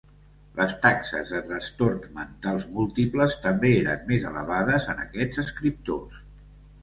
Les taxes de trastorns mentals múltiples també eren més elevades entre aquests escriptors.